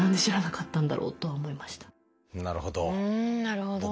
なるほど。